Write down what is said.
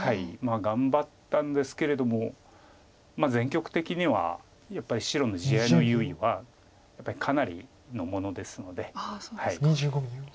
頑張ったんですけれども全局的にはやっぱり白の地合いの優位はやっぱりかなりのものですので。